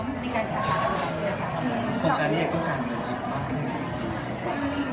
กลงการนี้อยากก้มกัน